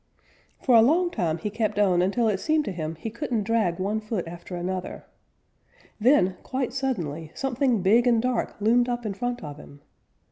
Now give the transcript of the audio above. For a long time he kept on until it seemed to him he couldn't drag one foot after another. Then quite suddenly something big and dark loomed up in front of him.